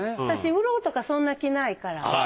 私売ろうとかそんな気ないから。